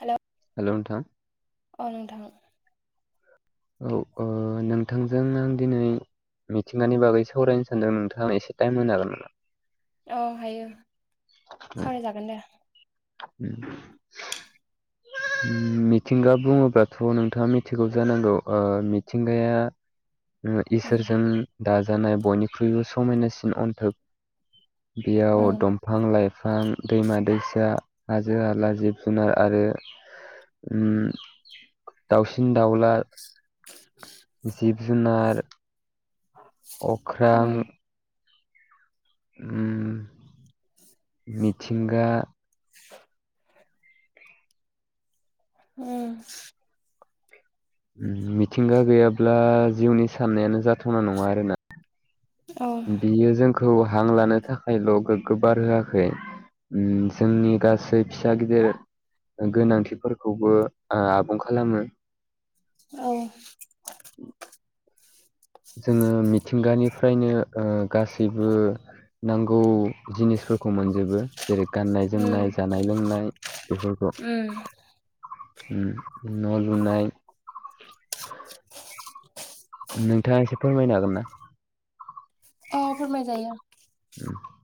Hello hello नोंथां अ नोंथां औ नोंथांजों आं दिनै मिथिंगानि बागै सावरायनो सानदों नोंथाङा एसे टाइम होनो हागोन नामा। औ हायो सावरायजागोन दे। उ [inaudible] मिथिंगा बुङोब्लाथ' नोंथाङा मिथिगौ जानांगौ मिथिंगाया‌ उम इसोरजों दाजानाय बयनिख्रुइबो समायनासिन अन्थोब। बेयाव उम दंफां, लाइफां, दैमा, दैसा। हाजो- हाला, जिब- जुनार आरो उम दाउसिन- दाउला, जिब- जुनार उम अख्रां उम मिथिंगा [inaudible] उम। मिथिंगा गैयाब्ला जिउनि साननायानो जाथावना नङा आरोना। औ बियो जोंखौ हां लानो थाखायल' गोग्गो बार होआखै। जोंनि गासै फिसा गिदिर गोनांथिफोरखौबो आबुं खालामो। औ। जोङो मिथिंगानिफ्रायनो गासैबो नांगौ जिनिसफोरखौ मोन जबो जेरै गाननाय जोमनाय उम जानाय लोंनाय बेफोरखौ। उम न' लुनाय। नोंथाङा एसे फोरमायनो हागोन ना। अ फोरमाय जायो। [inaudible]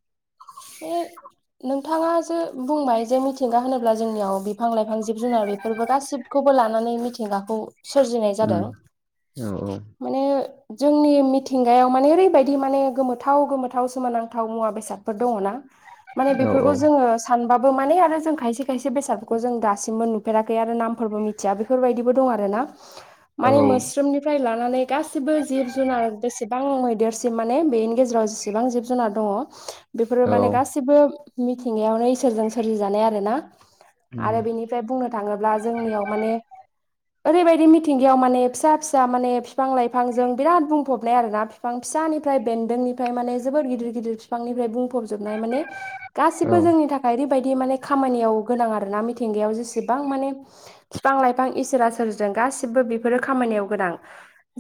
[inaudible] नोंथाङा जो बुंबाय जे मिथिंगा होनोब्ला जोंनियाव बिफां लाइफां जिब जुनार बेफोरबो गासिबो खौबो लानानै मिथिंगाखौ सोरजिनाय जादों। उम माने [inaudible] जोंनि मिथिंगायाव माने ओरैबायदि माने गोमोथाव गोमोथाव सोमोनांथाव मुवा बेसाद दङ ना माने औ बेफोरखौ जो सानबाबो माने आरो जों खायसे- खायसे बेसादफोरखौ जों दासिमबो नुफेराखै आरो नामफोरबो मिथिया बेफोरबायदिबो दं आर ना। [inaudible] माने मोस स्रोमनिफ्राय लानानै गासिबो जिब जुनार बेसेबां मैदेरसिम माने बेनि गेजेराव बेसिबां जिब जुनार दङ औ बेफोरो माने गासिबो मिथिंगायावनो इसोरजों सोरजिजानाय आर ना आरो उम बेनि बेफ्राय बुंनो थाङोब्ला जोंनियाव माने ओरैबायदि मिथिंगायाव माने फिसा फिसा माने बिफां लाइफांजों बिराद बुंफबनाय आरो ना। बिफां फिसानिफ्राय बेन्दोंनिफ्राय माने जोबोर गिदिर गिदिर बिफांनिफ्राय बुं फबजोबनाय माने औ गासिबो जोंनि थाखाय बायबायदि माने खामानियाव गोनां आर ना मिथिंगायाव जेसेबां माने बिफां लाइफां इसोरा सोरोरजों गासिबो बेफोरो खामानियाव गोनां।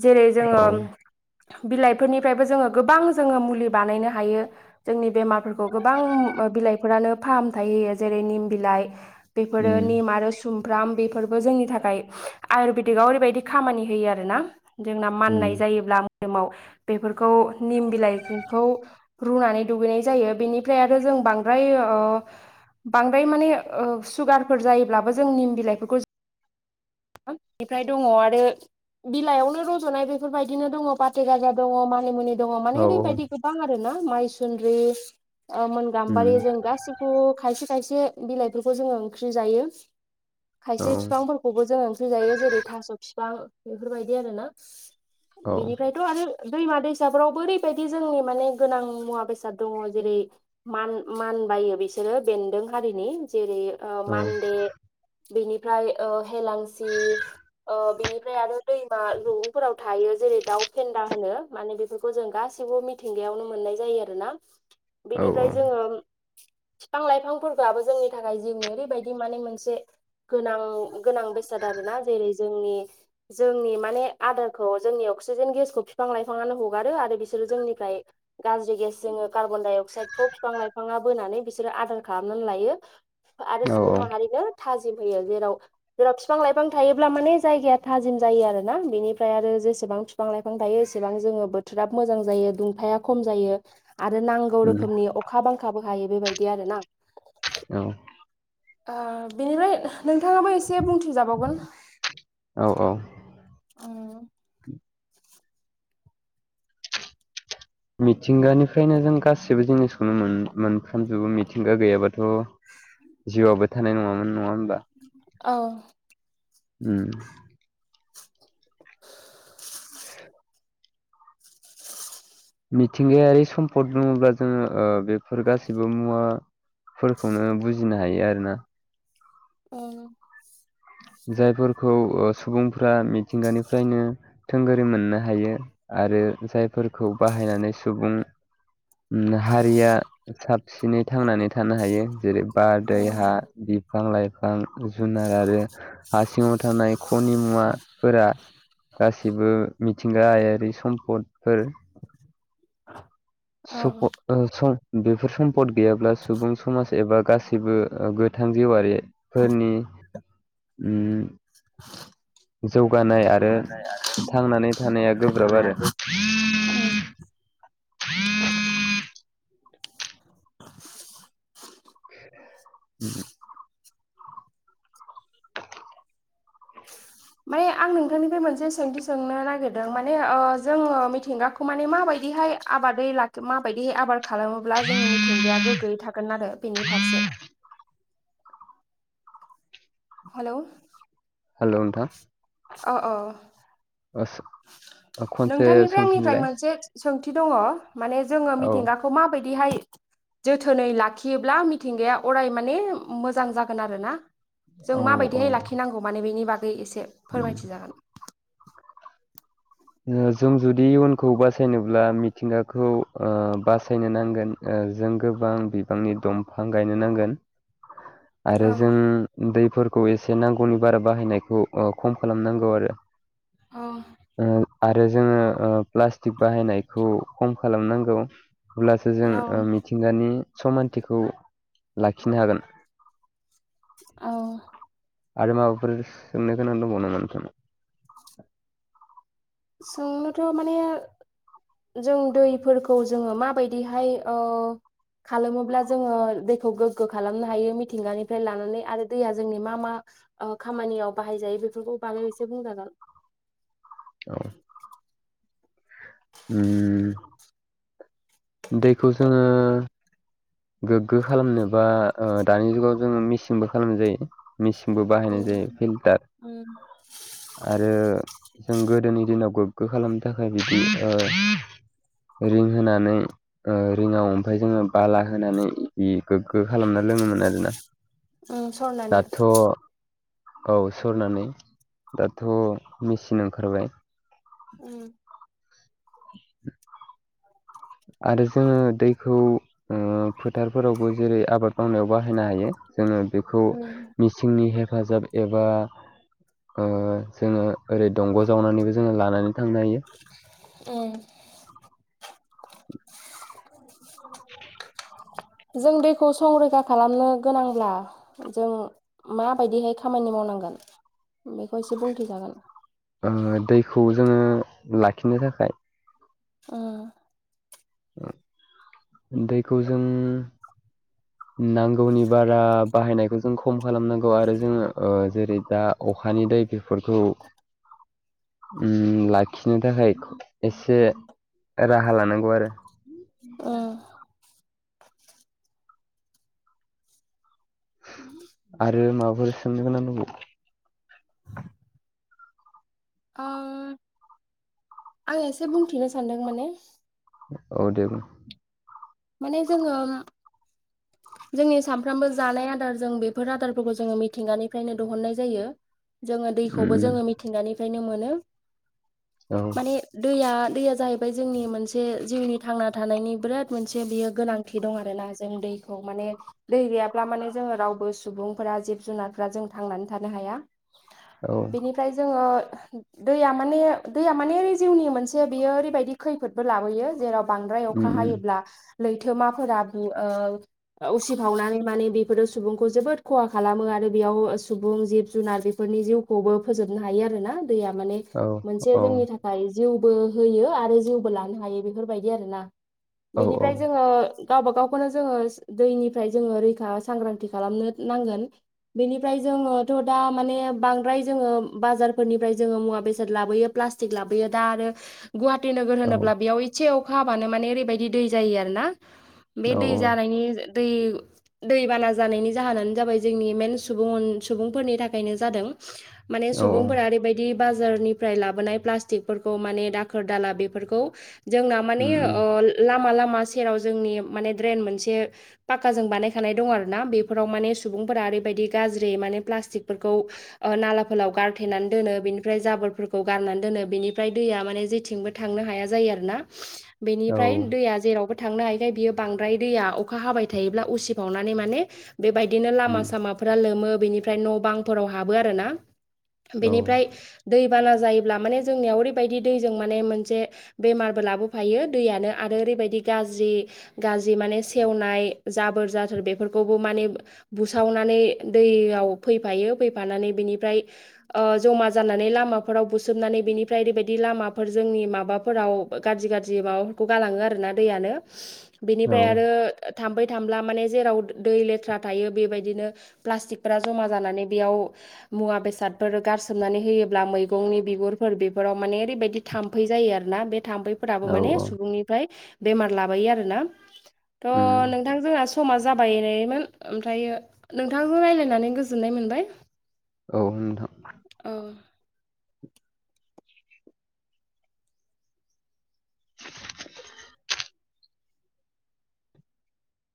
जेरै जोङो औ बिलाइफोरनिफ्रायबो जोङो गोबां जोङो मुलि बानायनो हायो। जोंनि बेमारफोरखौ गोबां बिलाइफोरानो फाहामथाय होयो जेरै निम बिलाइ बेफोरो उम नि म आरो सुमफ्राम बेफोरबो जोंनि थाखाय आयुरवेदिकआव ओरैबायदि खामानि होयो आर ना। जोंना उम माननाय जायोब्ला मोदोमाव बेफोरखौ निम बिलाइखौ रुनानै दुगैनाय जायो बेनिफ्राय आरो जों बांद्राय ओ बांद्राय माने सुगारफोर जायोब्लाबो जों निम बिलाइफोरखौ बेफ्राय दङ आरो बिलाइयावनो रज'नाय बेफोरबायदिनो दङ फाथे गाजा दङ मानि मुनि द औ माने औ ओरैबायदि गोबां आरो ना माइसु्रि मोन गाम्बारि उम जों गासिबो खायसे खायसे बिलाइफोरखौ जोङो ओंख्रि जायो औ खायसे बिफांफोरखौ खौबो जों ओंख्रि जायो जेरै थास' बिफां बेफोरबायदि आरोोना औ बिनिफ्राय थ आरो दैमा दैसाफोरावबो ओरैबायदि जोंनि माने गोनां मुवा बेसाद बेसाद दङ जेरै मान मान बायो बिसोरो बेन्दों हारिनि जेरै अ मान्दे बिनिफ्राय ओ हेलांसि अ बिनिफ्राय आरो दैमा दुब्लिफोराव थायो जेरै दाउ फेन्दा होनो माने बेफोरखौ जों गासैबो मिथिंगायावनो मोननाय जायो आरोना औ औ बेनिफ्राय जोङो बिफां लाइफांफोरखौ आबो जोंनि थाखाय जिउनि ओरैबायदि माने मोनसे गोनां गोनां बेसाद आरोना जेरै जोंनि जोंनि माने आदारखौ जोंनि अक्सिजेन गेसखौ बिफां लाइफाङानो हगारो आरो बिसोरो जोंनिखाय गाज्रि गेस जोङो कार्बन डाइ अक्साइदखौ फिफां लाइफाङा बोनानै बिसोरो आदार खालामनानै लायो आरो सुबुं माहारिनो थाजिम होयो जेराव जेराव बिफां लाइफां थायोब्ला माने जायगाया थाजिम जायो आरो ना बेनिफ्राय आरो जेसेबां बिफां लाइफां थायो एसेबां जोङो बोथोराबो मोजां जायो दुंथाया खम जायो आरो नांगौ उम रोखोमनि अखा बांखाबो हायो बेबायदि आरो ना औ ओ बेनिफ्राय नोंथाङाबो एसे बुंथिजाबावगोन औ औ अ मिथिंगानिफ्रायनो जों गासिबो जिनिसखौनो मोनफ्रामजोबो मिथिंगा गैयाबाथ' जिउआबो थानाय नङामोन नङा होनबा औ उम मिथिंगायारि सम्पद बुङोब्ला जोङो बेफोर गासिबो मुवा फोरखौनो बुजिनो हायो आरो ना ओं जायफोरखौ सुबुंफ्रा मिथिंगानिफ्रायनो थोंगोरै मोननो हायो आरो जायफोरखौ बाहायनानै सुबुं हारिया साबसिनै थांनानै थानो हायो जेरै बार दै हा उम बि बिफां लाइफां जुनार आरो हा सिङाव थानाय खनि मुवाफोरा गासिबो मिथिंगायारि सम्पदफोर औ बेफोर सम्पद गैयाब्ला सुबुं समाज एबा गासैबो गोथां जिवारिफोरनि उम जौगानाय आरो जौगानाय आरो थांनानै थानाया गोब्राब आरो रैखानायाबो उम द [unintelligible] माने आं नोंथांनिफ्राय मोनसे सोंथि सोंनो नागिरदों माने ओ जोङो मिथिंगाखौ थ माने माबायदिहाय आबादै लाखो माबायदिहाय आबाद खालामोब्ला जोंनि मिथिंगाया गोग्गोयै थागोन आरो बेनि फारसे हेलौ हेलौ नोंथां अ अ खनसे नोंथांनिफ्राय आंनिफ्राय सोंफिनलाय मोनसे सोंथि दङ माने जोङो औ मिथिंगा खौ मा बायदिहाय जोथोनै लाखियोब्ला मिथिंगाया अराय माने मोजां जागोन आरो ना। औ जों मा औ बायदिहाय लाखिनांगौ माने बेनि बागै एसे उम फोरमायथिजागोन। ओ जों जुदि इयुनखौ बासायनोब्ला मिथिंगाखौ ओ बासायनो नांगोन। ओ जों गोबां बिबांनि दमफां गायनो नांगोन। आरो औ जों दैफोरखौ एसे नांगौनि बारा बाहायनायखौ ओ खम खालामनांगौ आरो। अ ओ आरो जोङो ओ प्लास्टिक बाहायनायखौ खम खालामनांगौ। अब्लासो जों औ ओ मिथिंगानि समानथिखौ लाखिनो हागोन। औ आरो माबाफोर सोंनो गोनां दंबावो नामा नोंथांनाव? सोंनोथ' माने जों दैफोरखौ जोङो मा बायदिहाय ओ खालामोब्ला जोङो दैखौ गोग्गो खालामनो हायो मिथिंगानिफ्राय लानानै आरो दैया जोंनि मा मा ओ खामानियाव बाहायजायो बेफोरखौ बागै एसे बुंजागोन। औ उम दैखौ जोङो गोग्गो खालामनो बा ओ दानि जुगाव जोङो मिचिंबो खालामजायो। मिचिंबो बाहायनाय जायो फिल्टार। आरो जों गोदोनि दिनाव गोग्गो खालामनो थाखाय बिदि ओ रिं होनानै ओ रिंआव ओमफाय जोङो बाला होनानै गोग्गो खालामना लोङोमोन आरोना उम सरनानै दाथ' औ सरनानै दाथ' मिचिन ओंखारबाय। उम [inaudible] आरो जोङो दैखौ ओ फोथारफोरावबो जेरै आबाद मावनायाव बाहायनो हायो जोङो बेखौ मिस सिंनि हेफाजाब एबा ओ जोङो ओरै दंग' जावनानैबो जोङो लानानै थांनो हायो। उ जों दैखौ संरैखा खालामनो गोनांब्ला जों मा बायदिहाय खामानि मावनांगोन बेखौ एसे बुंथिजागोन। ओ दैखौ जोङो लाखिनो थाखाय उम दैखौ जों नांगौनि बारा बाहायनायखौ जों जों खम खालामनांगौ आरो जोङो ओ जेरै दा अखानि दै बेफोरखौ उम लाखिनो थाखाय एसे राहा लानांगौ आरो। उम आरो माबाफोर सोंनो गोनां दंबावो? ओ आं एसे बुंथिनो सानदों माने। औ दे बुं। माने जोङो [inaudible] जोंनि सामफ्रोमबो जानाय आदार जों बेफोर आदारफोरखौ जोङो मिथिंगानिफ्रायनो दहननाय जायो। जोङो दैखौबो उम जोङो मिथिंगानिफ्रायनो मोनो उम औ माने दैया दैया जाहैबाय जोंनि मोनसे जिउनि थांना थानायनि बिराद मोनसे बियो गोनांथि दं आरो ना जों दैखौ माने दै गैयाब्ला माने जोङो रावबो सुबुंफोरा जिब जुनारफोरा जों थांनानै थानो हाया। औ बिनिफ्राय जोङो दैया माने दैया माने ओरै जिउनि मोनसे बेयो ओरैबायदि खैफोदबो लाबोयो जेराव बांद्राय उम अखा उम हायोब्ला लैथोमाफोरा ओ उसिफावनानै माने बेफोरो सुबुंखौ जोबोद खहा खालामो आरो बेयाव सुबुं जिब जुनार बेफोरनि जिउ खौबो फोजोबनो हायो आरो ना दैया माने औ मोनसे औ जोंनि थाखाय जिउबो होयो आरो जिउबो लानो हायो बेफोरबायदि आरो ना औ बिनिफ्राय जोङो गावब गावखौनो जोङो दैनिफ्राय जोङो रैखा सांग्रांथि खालामनो नांगोन। बेनिफ्राय जोङोथ' दा माने बांद्राय जोङो बाजारफोरनिफ्राय जोङो मुवा बेसाद लाबोयो प्लास्टिक लाबोयो दा आरो गुवाहाटि नोगोर औ होनोब्ला बेयाव एसे अखा हाबानो माने ओरैबायदि दै जायो आर ना। बे औ दै जानायनि दै दैबाना जानायनि जाहोनानो जाबाय जोंनि मेन सुबुं सुबुंफोरनि थाखायनो जादों। माने औ सुबुंफोरा ओरैबायदि बिदि बाजारनिफ्राय लाबोनाय पटिकफोरखौ माने दाखोर दाला बेफोरखौ जोंना माने उम उम ओ लामा लामा सेराव जोंनि माने द्रेन मोनसे पाक्काजों बानायखानाय दं आरोना बेफोराव माने सुबुंफोरा ओरैबायदि गाज्रि माने प्लास्टिकफोरखौ नालाफोरलाव गारथेनानै दोनो बेनिफ्राय जाबोरफोरखौ गारनानै दोनो बेनिफ्राय दैया माने जेथिंबो थांनो हाया जायो आरोना। औ ओमफ्राय दैया जेरावबो थांनो हायखाय बियो बांद्राय दैया अखा हाबाय थायोब्ला उसिबावनानै माने बेबायदिनो लामा सामाफोरा लोमो बेनिफ्राय न' बांफोराव हाबो आरो ना उम बेनिफ्राय दैबाना जायोब्ला माने जोंनियाव ओरैबायदि दैजों माने मोनसे बेमारबो लाबोफायो। दैयानो आरो ओरैबायदि गाज्रि गाज्रि माने सेवनाय जाबोर जाथोर बेफोरखौबो माने बुसावनानै दैयाव फैफायो फैफानानै बिनिफ्राय ओ जमा जानानै लामाफोराव बुसोमनानै बेनिफ्राय ओरैबायदि लामाफोर जोंनि माबाफोराव गाज्रि गाज्रि माबाफोरखौ गालाङो आरोना दैयानो। औ बिनिफ्राय औ आरो थाम्फै थामब्ला माने जेराव दै लेथ्रा थायो बेबायदिनो प्लास्टिकफोरा जमा जानानै बेयाव मुवा बेसादफोर गारसोमनानै होयोब्ला मैगंनि बिगुरफोर बेफोराव माने ओरैबायदि थाम्फै जायो आरोना बे थाम्फैफोर फोराबो औ माने सुबुंनि बेमार लाबोयो आरोना थ उम नोंथां जोंहा स समा जाबायनायमोन ओमफ्र नोंथांजों राय्लायनानै गोजोननाय मोनबाय। औ नोंथां। ओ।